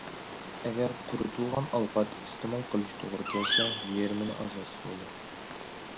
ئەگەر قۇرۇتۇلغان ئالقات ئىستېمال قىلىش توغرا كەلسە، يېرىمىنى ئازايتسا بولىدۇ.